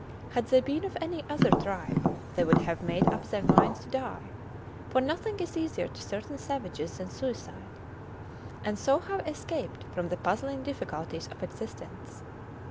Had they been of any other tribe they would have made up their minds to die for nothing is easier to certain savages than suicide and so have escaped from the puzzling difficulties of existence.